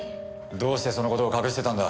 どうしてその事を隠してたんだ？